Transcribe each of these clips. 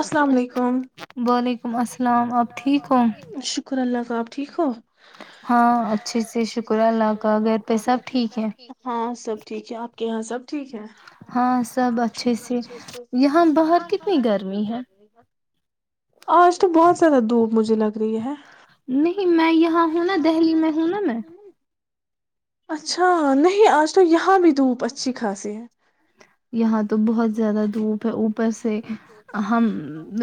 السلام علیکم وعلیکم السلام شکہ شکر اللہ صحب ٹیک ہو ا سے شب ہاں سب ٹھیک ہے آپ کے یہاں سب ٹھیک ہے اچے سے یہاں باہر کی کی گرمی آج تو بہت زیادہ دھوپ مجھے لگ رہی ہے نہیں میں یہاں ہوں نا دہلی میں ہوں نا میں اچھا نہیں آج تو یہاں بھی دھوپ اچھی خاص ہے یہاں تو بہت زیادہ دھوپ ہے اوپر سے ہم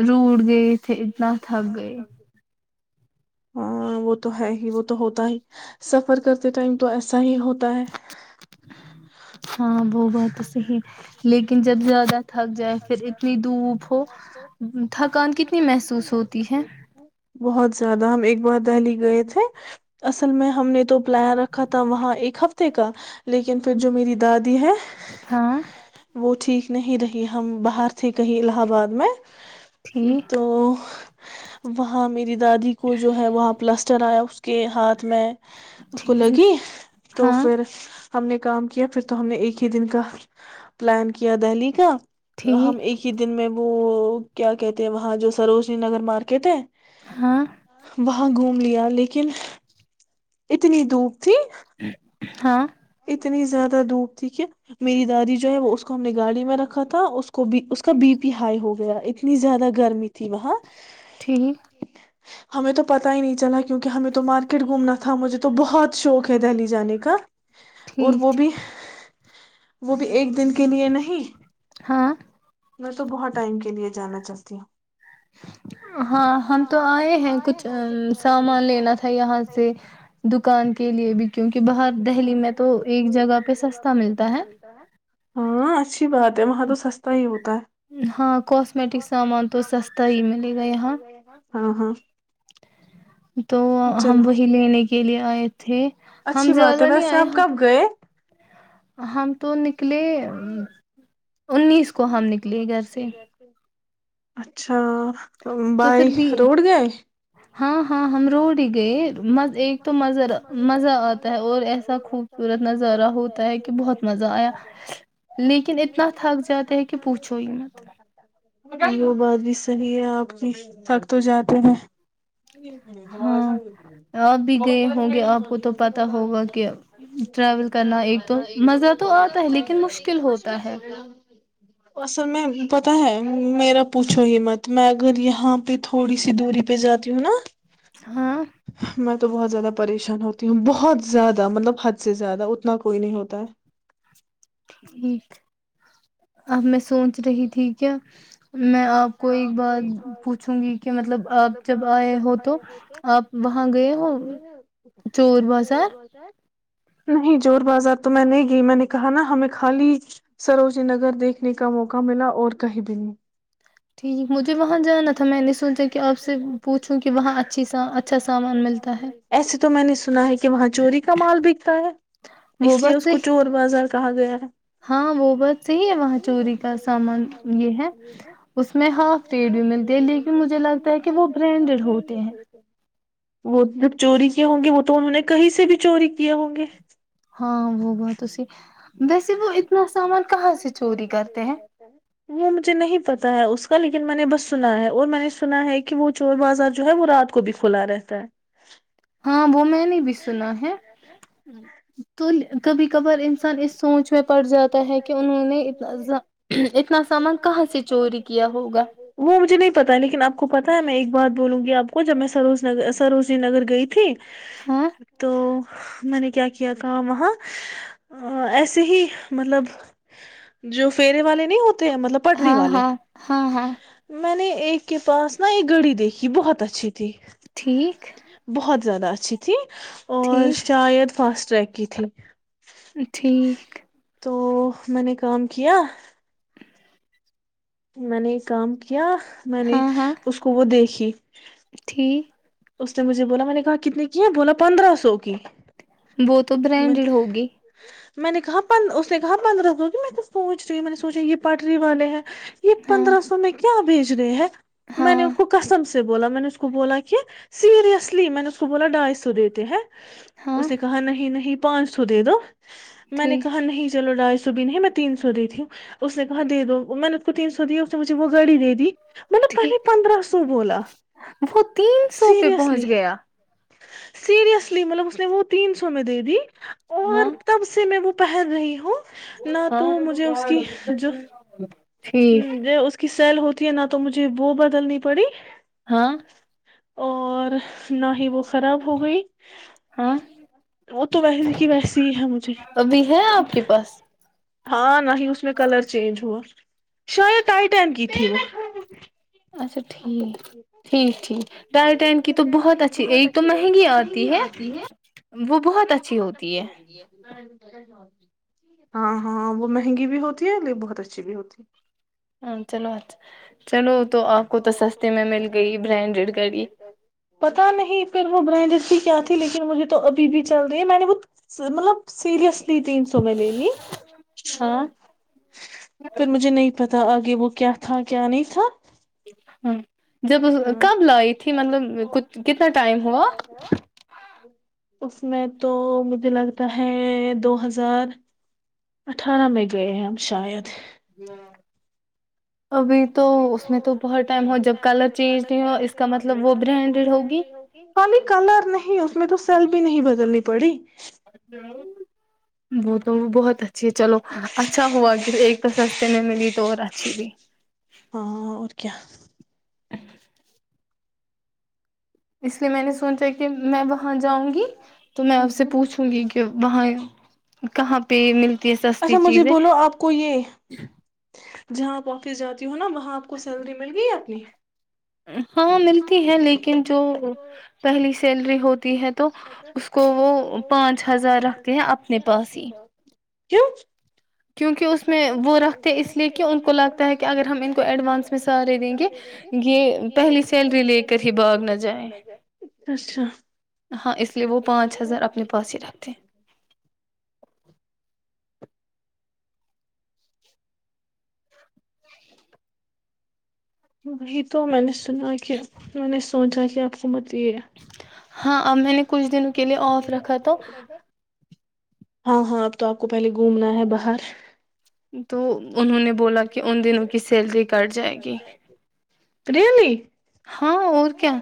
روڑ گئے تھے اتنا تھک گئے ہاں وہ تو ہے ہی وہ تو ہوتا ہی سفر کرتے ٹائم تو ایسا ہی ہوتا ہے ہاں وہ بات تو صحی ہے لیکن جب زیادہ تھک جائے پھر اتنی دھوپ ہو تھکان کتنی محسوس ہوتی ہے بہت زیادہ ہم ایک بار دہلی گئے تھے اصل میں ہم نے تو پلایا رکھا تھا وہاں ایک ہفتے کا لیکن پھر جو میری دادی ہے وہ ٹھیک نہیں رہی ہم باہر سے کہیں الہ اباد میں تو تو وہاں میری دادی کو جو ہے وہاں پلسٹ چرایا اس کے ہاتھ میں اس کو لگی تو پھر ہم نے کام کیا پھر تو ہم نے ایک ہی دن کا پلان کیا دہلی کا ہم ایک ہی دن میں وہ کیا کہتے ہیں وہاں جو سروجنی نگر مارکیٹ ہے ہاں وہاں گھوم لیا لیکن اتنی دھوپ تھی ہاں اتنی زیادہ دھوپ تھی کہ میری دادی جو ہے وہ اس کو ہم نے گاڑی میں رکھا تھا اس کو اس کا بی پی ہائی ہو گیا اتنی زیادہ گرمی تھی وہاں ٹھیک ہمیں تو پتا ہی نہیں چلا کیونکہ ہمیں تو مارکیٹ گھومنا تھا مجھے تو بہت شوق ہے دہلی جانے کا اور وہ بھی وہ بھی ایک دن کے لیے نہیں ہاں میں تو بہت ٹائم کے لیے جانا چاہتی ہوں ہاں ہم تو آئے ہیں کچھ سامان لینا تھا یہاں سے دکان کے لیے بھی کیونکہ باہر ب گ تو تو جگہ تو سستا ملتا ہے ہاں ہاں کاسمیٹک سامان تو سستا ہی ملے گا یہاں تو ہم وہی لینے کے لیے آئے تھے اچھی بات ہے ویسے آپ کب گئے ہم تو نکلے ا انیس کو ہم نکلے گھر سے اچھا ہاں بائی روڈ گئے تو مہ آتا ہے اورتا ہے صحیح ہے آپ کی تک تو جاتے ہیں م سا مشکل اصل میں پتا ہے میرا پوچھو ہی مت میں اگر یہاں پہ تھوڑی سی دوری پہ جاتی ہوں نا مت [unintelligible] تو بہت زیادہ پریشان ہوتی ہوں بہت زیادہ مطلب حد سے زیادہ اتنا کوئی نہیں ہوتا ہے ٹھیک اب میں سوچ رہی تھی کیا میں آپ کو ایک بات پوچھوں گی کہ مطلب آپ جب آئے ہو تو آپ وہاں گئے ہو چور بازار نہیں زور بازار تو میں نہیں گئی میں نے کہا نا ہمیں خالی سروجی نگر دیکھنے کا موقع ملا اور کہیں بھی نہیں ایسے تو میں نے سنا ہے کہ وہاں چوری کا مال بکتا ہے اس لیے اس کو چور بازار کہاں گیا ہے ہاں وہ بت صحی ہے وہاں چوری کا سامان یہ ہے اس میں ہاف ریٹ بھی ملتے ہے لیکن مجھے لگتا ہے کہ وہ برانڈیڈ ہوتے ہیں وہ جب چوری کیے ہوں گے وہ تو انہوں نے کہیں سے بھی چوری کیے ہوں گے ہاں وہ بہت ا ویسے وہ اتنا سامان کہاں سے چوری کرتے ہیں وہ مجھے نہیں پتا ہے اس کا لیکن میں نے بس سنا ہے اور میں نے سنا ہے کہ وہ چور بازار جو ہے وہ رات کو بھی کھلا رہتا ہے ہاں وہ میں نے بھی سنا ہے تو کبھی وہ مجھے نہیں پتا ہے لیکن آپ کو پتا ہے میں ایک بات بولوں گی آپ آ کو جب میں سروز ن سروزری نگر گئی تھی تو میں نے کیا کیا تھا وہاں ایسے ہی مطلب جو فرے والے نہیں ہوتے ہاں ہاں ہاں ہاں میں نے ایک کے پاس نا ایک گاڑی دیکھی بہت اچھی جی بہت زیادہ اچھی تھی [unintelligible] اور شاید فاسٹ چکی تھی ٹھیک تو میں نے کام کیا میں نے ایک کام کیا کیا میں نے اس کو وہ دیکھی اس نے مجھے بولا میں نے کہا کتنی کی ہے بولا پندرہ سو کی وہ تو برانڈڈ ہوگی میں نے کہا اس نے کہا پندرہ سو کی میں تو پوچ رہی ہوں میں نے سوچا یہ پٹری والے ہیں یہ پندرہ سو میں کیا بھیج رہے ہے میں نے اس کو کسم سے سے بولا میں نے اس کو بولا کیا سیریئسلی میں نے س کو بولا ڈھائی سو دیتے ہیں اس نے کہا نہیں نہیں پانچ سو دے دوا میں نے کہا نہیں چلو ڈاج سب ہے میں تین سو دی ت ہوں اس نے کہا دے دو میں نے اس کو تین سو دیا اس نے مجھے وہ گڑی دے دی مطلب پہلے پندرہ سو بولا سو پہ پہنچ گیا سیریسلی مطلب اس نے وہ تین سو میں دے دی اور تب سے میں وہ پہن رہی ہوں نہ تو مجھے اس کی جو اس کی سیل ہوتی ہے نہ تو مجھے وہ بدلنی پڑی اور نہ ہی وہ خراب ہو گئی وہ تو ویسی کی ویسی ہی ہے مجھے ہاں نہیں ہی اس میں کلر چینج ہوا شاید کا ٹائم کی تھی ہاں اچھا ٹھیک ٹھیک ٹھیک ٹائی ٹین کی تو بہت اچھی ایک تو مہنگی آتی ہے وہ بہت اچھی ہوتی ہے ہاں ہاں وہ مہنگی بھی ہوتی ہے ل بہت اچھی بھی ہوتی ہے ہاں چلو اچھا چلو تو آپ کو تو سستے میں مل گئی برانڈیڈ گی تھی لیکن مجھے تو ابھی بھی چل رہی ہے میں نے وہ مطلب سیریئس تین سو میں لے لی پھر مجھے نہیں پتا تھا آگے وہ کیا تھا کیا نہیں تھا ہوں جب کب لائٹ اس میں تو مجھے لگتا ہے دو ہزار اٹھارہ میں گئے ہیں ہم شاید جی اھی تور کاگیی کلر نہیں اس میں تو سیل بھی نہیں بدلنی پڑی وہ تو بہت اچھا چلو اچھا ہوا ایک تو سستے میں ملی تو اور اچھی بھی اس لیے میں نے سوچا کہ میں وہاں جاؤں گی تو میں آپ سے پوچھوں گی کہ وہاں کہاں پہ مل اچھا مجھے بولو آپ کو یہ جہاں آپ آفس جاتی ہو نا وہاں آپ کو سیلری مل گی اپنی ہاں ملتی ہے لیکن جو پہلی سیلری ہوتی ہے تو اس کو وہ پانچ ہزار رکھتے ہیں اپنے پاس ہی ہوں وہی تو میں نے سنا کہ میں نے سوچا کہ آپ کو مت یہ ہے ہاں اب میں نے کچھ دنوں کے لیے آف رکھا تھا ہاں ہاں اب تو آپ کو پہلے گھومنا ہے باہر تو انہوں نے بولا کہ ان دنوں کی سیلری کٹ جائے گی ہاں اور کیا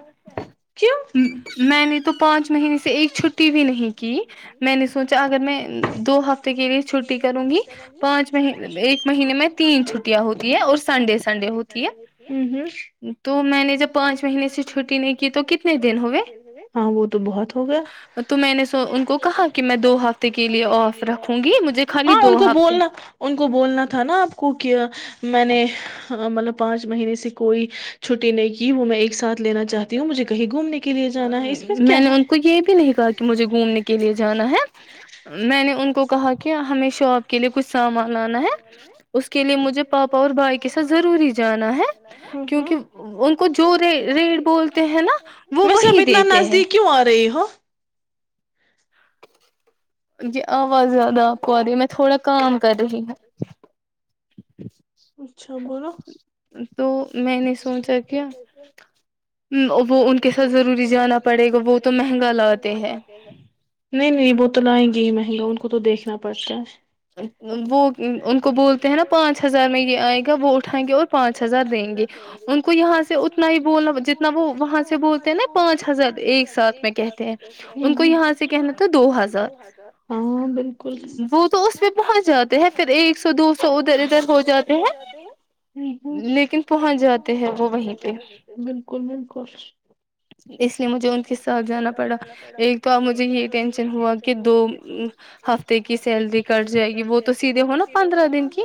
میں تو پانچ مہینے سے ایک چھٹی ٹی بھی نہیں کی میں نے سوچا اگر میں دو ہفتے کے لیے چھٹی کروں گی پانچ م ایک مہینے میں تین چھٹیاں ہوتی ہے اور سنڈے سنڈے ہوتی ہے تو ہاں وہ تو بہت ہو گیا ہاں ان کو بولنا ان کو بولنا تھا نا آپ کو کہ میں نے مطلب پانچ مہینے سے کوئی چھٹی نہیں کی وہ میں ایک ساتھ میں نے ان کو یہ بھی نہیں کہا کہ مجھے گھومنے کے لیے جانا ہے میں نے ان کو ہشا آپ کے لیے کچھ سامان لانا ہے اس کے لیے مجھے پاپا اور بھائی کے ساتھ ضروری جانا ہے کیک ان کو جو ری ویسے اب اتنا نزدیک کیوں آ رہی ہو ہاں [inaudible] ج آواز زیادہ آپ کو آ رہی ہے میں تھوڑا کام کر رہی ہوں اچھا بولو وہ تو لائیں گے ہی ہیلو کوت دیکھنا پڑتا ہے وہ ان کو بولتے ہیں نا پانچ ہزار میں یہ آئے گا وہ اٹھائیں گے اور پانچ ہزار دیں گے ان کو یہاں سے اتنا ہی بولنا جتنا وہ وہاں سے بولتے ہیں نا پانچ ہزار ایک ساتھ میں کہتے ہیں ان کو یہاں سے کہنا تھا دو ہزار وہ تو اس پ پہنچ جاتے ہیں پھر ایک سو دو سو ادھر ادھر ہو جاتے ہیں لیکن پہنچ جاتے ہیں وہ وہیں پہ اس لیے مجھے ان کے ساتھ جانا پڑا ایک تو اپ مجھے یہ ٹینشن ہوا کہ دو ہفتے کی سیلری کٹ جائے گی وہ تو سیدھے ہوناا پندرہ دن کی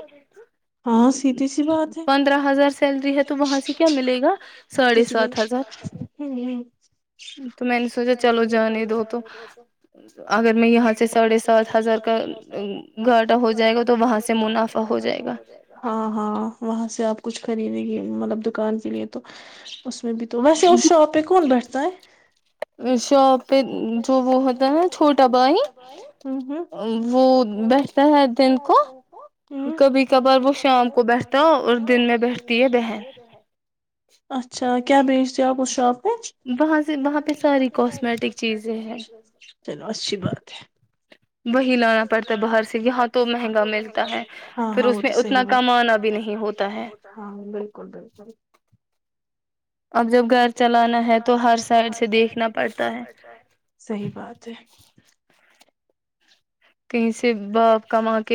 پندرہ ہزار سیلری ہے تو وہاں سے کیا ملے گا ساڑھے سات ہزار [inaudible] تو میں نے سوچا چلو جانے دو تو اگر میں یہاں سے ساڑھے سات دہ ہو جائے گا تو وہاں سے منافع ہو جائے گا ہاں ہاں وہاں سے آپ کچھ خری یہ مطلب دکان کے لیے تو اس میںب تو وسے اس شاپ پ ککال پیٹھ تان شاپ پہ جو وہ ہوتا ہے نا چھوٹا بھائی وہ بیٹھتا ہے دن کو کبھی کبھار وہ شام کو بیٹھتا ہے اور دن میں بیٹھتی ہے بہن کیا پچھ آپ چلو اچھی بات ہے لانا پڑتا گر سے بھی ہاں تو مہنگا ملتا ہاں ہاں وہ توحی ما بھی نہیں رہا بالکل بالکل ا جب گھر چلانا ہے تو ہر سائڈ سے دیکھنا پڑتا ہے صحی بات ہے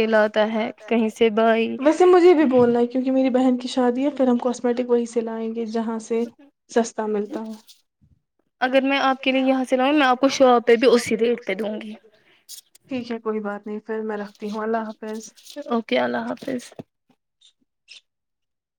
کملاتا ہے کہ سے ویسے مجھے بھی بولنا ہے کیونکہ میری بہن شادی ہے پھر ہم کاسمیٹک وہی سلائیں گے جہاں سے سستا ملتا ہو ا میں آپ کے لیے یہاں چلؤ آپ شپتی ہوںے ٹھیک ہے کوئی بات نہیں پھر میں ر اوکے اللہ حافظ